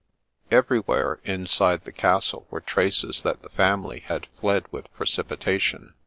Everywhere, inside the castle, were traces that the family had fled with precipitation.